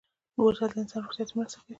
بوتل د انسان روغتیا ته مرسته کوي.